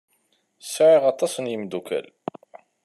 Sɛiɣ aṭas n yemdukal.